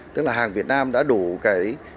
tức là hàng việt nam đã đủ cái